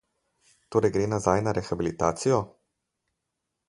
Torej gre nazaj na rehabilitacijo?